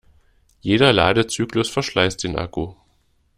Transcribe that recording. Jeder Ladezyklus verschleißt den Akku.